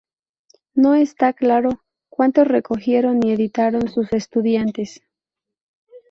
No está claro cuanto recogieron y editaron sus estudiantes.